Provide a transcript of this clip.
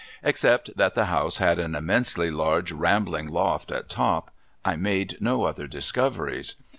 Except that the house had an immensely large rambling loft at top, I made no other discoveries.